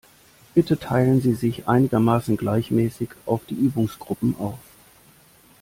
Bitte teilen Sie sich einigermaßen gleichmäßig auf die Übungsgruppen auf.